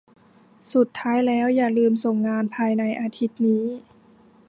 สุดท้ายแล้วอย่าลืมส่งงานภายในอาทิตย์นี้